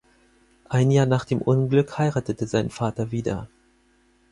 Ein Jahr nach dem Unglück heiratete sein Vater wieder.